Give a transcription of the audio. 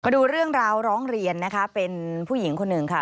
ดูเรื่องราวร้องเรียนนะคะเป็นผู้หญิงคนหนึ่งค่ะ